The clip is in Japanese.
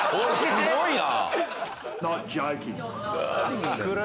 すごいな。